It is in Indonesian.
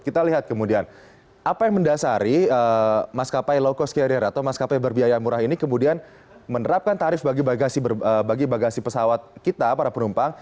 kita lihat kemudian apa yang mendasari maskapai low cost carrier atau maskapai berbiaya murah ini kemudian menerapkan tarif bagi bagasi pesawat kita para penumpang